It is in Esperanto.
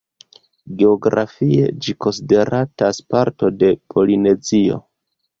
Geografie ĝi konsideratas parto de Polinezio.